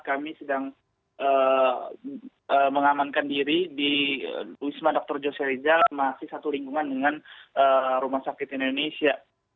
kami sedang mengamankan diri di wisma dr jose rizal masih satu lingkungan dengan rumah sakit indonesia